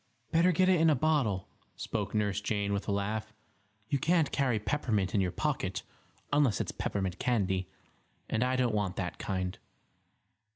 "Better get it in a bottle," spoke Nurse Jane, with a laugh. "You can't carry peppermint in your pocket, unless it's peppermint candy, and I don't want that kind."